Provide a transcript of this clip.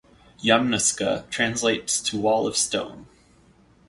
Yamnuska translates to wall of stone.